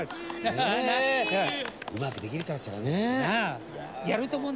うまくできるかしらね？